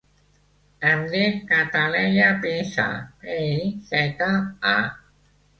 Em dic Cataleya Piza: pe, i, zeta, a.